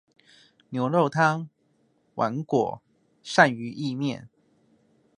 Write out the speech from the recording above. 牛肉湯、碗粿、鱔魚意麵